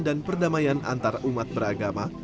dan perdamaian antarumat beragama